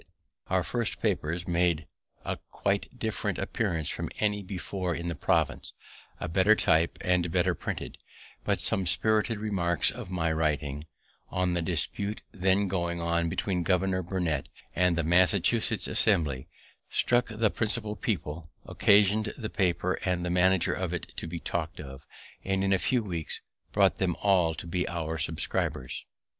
[Illustration: "I see him still at work when I go home from club"] Our first papers made a quite different appearance from any before in the province; a better type, and better printed; but some spirited remarks of my writing, on the dispute then going on between Governor Burnet and the Massachusetts Assembly, struck the principal people, occasioned the paper and the manager of it to be much talk'd of, and in a few weeks brought them all to be our subscribers.